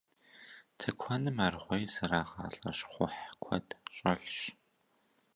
Тыкуэным аргъуей зэрагъалӏэ щхъухь куэд щӏэлъщ.